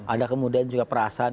ada kemudian juga perasaan